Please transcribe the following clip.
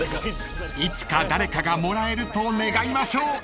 ［いつか誰かがもらえると願いましょう］